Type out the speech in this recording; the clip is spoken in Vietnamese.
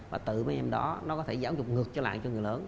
và từ mấy em đó nó có thể giáo dục ngược lại cho người lớn